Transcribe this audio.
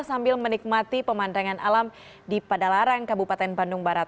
sambil menikmati pemandangan alam di padalarang kabupaten bandung barat